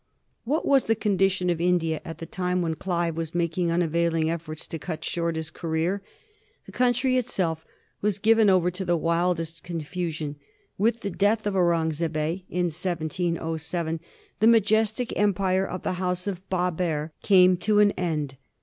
What was the condition of India at the time when Clive was making unavailing efforts to cut short his ca reer? The country itself was given over to the wildest confusion. With the death of Aurungzebe, in 1707, the majestic empire of the House of Baber came to an end.